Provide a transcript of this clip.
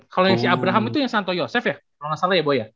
kalau yang si abraham itu yang santoyo safe ya kalau gak salah ya boy ya